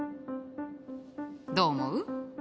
どう思う？